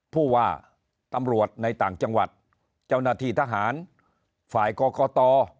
ผู้ว่าตำรวจในต่างจังหวัดเจ้าหน้าที่ทหารฝ่ายกรกต